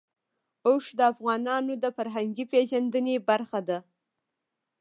اوښ د افغانانو د فرهنګي پیژندنې برخه ده.